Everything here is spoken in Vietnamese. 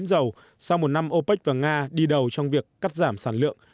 giảm dầu sau một năm opec và nga đi đầu trong việc cắt giảm sản lượng